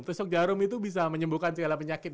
tusuk jarum itu bisa menyembuhkan segala penyakit